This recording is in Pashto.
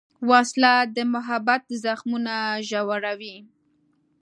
وسله د محبت زخمونه ژوروي